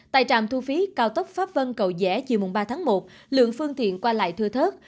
tại trạm thu phí cao tốc pháp vân cầu dẻ chiều ba tháng một lượng phương tiện qua lại thưa thớt